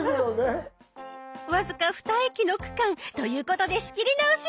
僅か２駅の区間ということで仕切り直し。